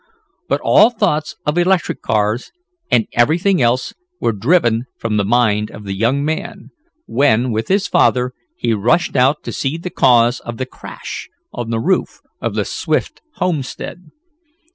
But all thoughts of electric cars, and everything else, were driven from the mind of the young man, when, with his father, he rushed out to see the cause of the crash on the roof of the Swift homestead.